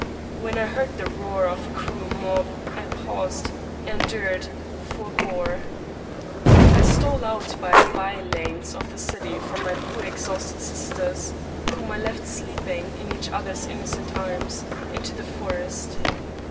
When I heard the roar of the cruel mob, I paused — endured — forbore. I stole out by by lanes of the city from my poor exhausted sisters, whom I left sleeping in each other's innocent arms, into the forest.